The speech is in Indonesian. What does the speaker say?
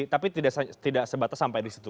tapi tidak sebatas sampai di situ